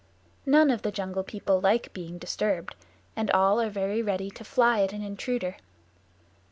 None of the Jungle People like being disturbed, and all are very ready to fly at an intruder.